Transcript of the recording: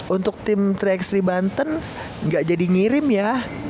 untuk tim tiga x tiga banten nggak jadi ngirim ya